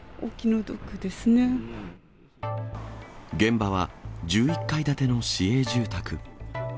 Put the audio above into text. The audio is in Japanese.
現場は、１１階建ての市営住宅。